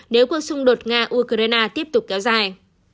nếu cuộc xung đột nga ukraine tiếp tục kéo dài